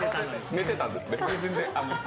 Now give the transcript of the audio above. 寝てたんですね。